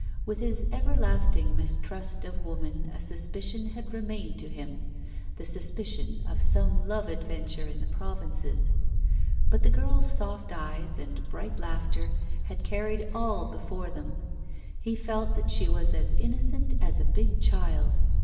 With his everlasting mistrust of woman a suspicion had remained to him, the suspicion of some love adventure in the provinces; but the girl's soft eyes and bright laughter had carried all before them; he felt that she was as innocent as a big child.